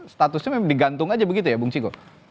statusnya memang digantung aja begitu ya bung ciko